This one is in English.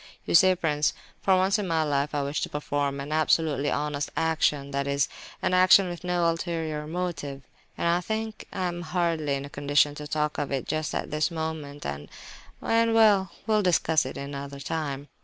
You see, prince, for once in my life I wish to perform an absolutely honest action, that is, an action with no ulterior motive; and I think I am hardly in a condition to talk of it just at this moment, and—and—well, we'll discuss it another time.